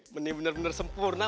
meni benar benar sempurna